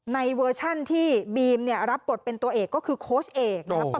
เวอร์ชันที่บีมรับบทเป็นตัวเอกก็คือโค้ชเอกนะครับ